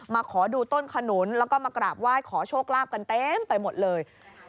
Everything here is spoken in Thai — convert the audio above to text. ขอดูต้นขนุนแล้วก็มากราบไหว้ขอโชคลาภกันเต็มไปหมดเลย